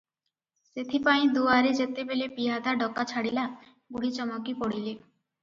ସେଥିପାଇଁ ଦୁଆରେ ଯେତେବେଳେ ପିଆଦା ଡକା ଛାଡ଼ିଲା, ବୁଢ଼ୀ ଚମକି ପଡ଼ିଲେ ।